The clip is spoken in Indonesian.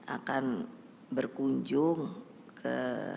akan berkunjung ke